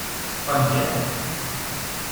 Ṭṭef amkan.